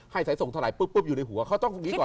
สายส่งเท่าไหปุ๊บอยู่ในหัวเขาต้องตรงนี้ก่อน